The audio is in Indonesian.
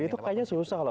dan itu kayaknya susah loh